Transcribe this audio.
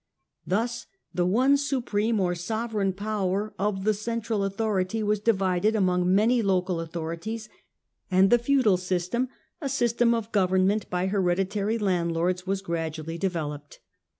Thus the one supreme or sovereign power of the central authority was divided among many local authorities, and the " feudal system," a system of government by hereditary landlords was gradually developed.